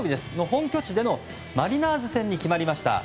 本拠地でのマリナーズ戦に決まりました。